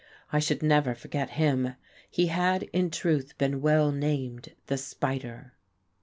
I should never forget him. He had in truth been well named the Spider.